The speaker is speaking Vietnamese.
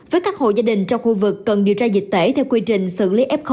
với các hộ gia đình trong khu vực cần điều tra dịch tễ theo quy trình xử lý f một